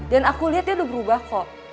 dan aku liat dia udah berubah kok